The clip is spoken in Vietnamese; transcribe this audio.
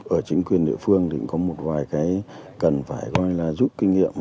ở chính quyền địa phương thì cũng có một vài cái cần phải coi như là giúp kinh nghiệm